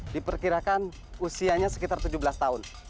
diperkirakan usianya sekitar tujuh belas tahun